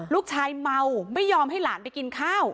ลูกชายเมาไม่ยอมให้หลานไปกินข้าว